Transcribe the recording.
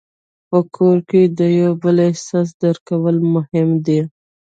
په کور کې د یو بل احساس درک کول مهم دي.